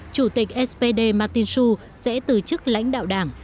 chủ tịch spd martin schulz sẽ từ chức lãnh đạo đảng